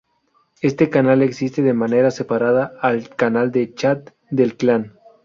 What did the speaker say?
Este canal existe de manera separada al canal de chat del clan.